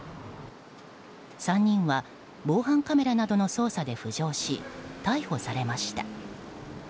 ３人は防犯カメラなどの捜査で浮上し逮捕されました。